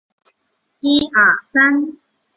乌兹别克族是由粟特人和突厥人溶合而成。